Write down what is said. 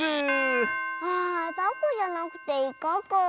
あタコじゃなくてイカかあ。